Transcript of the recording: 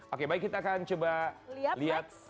oke baik kita akan coba lihat